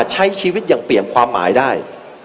ใช้ชีวิตอย่างเปี่ยมความหมายได้